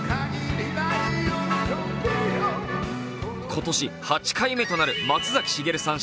今年８回目となる松崎しげるさん